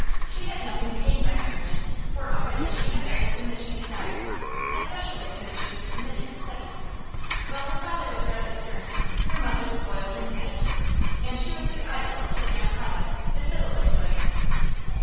She had nothing to gain by marriage, for already she had everything that she desired, especially since she was permitted to study. While her father was rather stern, her mother spoiled and petted her; and she was the idol of her aunt Hode, the fiddler's wife.